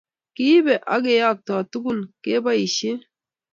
Kiibe akeyokto tukun keboishee